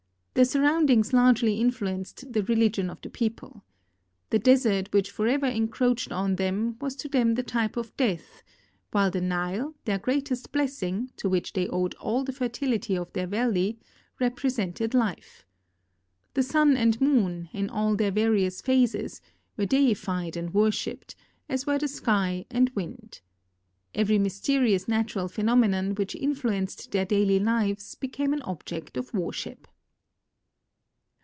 Their surround ings largely influenced the religion of the people. The desert which forever encroached on them was to them the type of death, while the Nile, their greatest blessing, to which they owed all the fertility of their valley, represented life. The sun and moon, in all their various phases, were deified and "worshiped, as were the sky and wind. Every mysterious natural phenomenon which influenced their daily lives became an object of worship.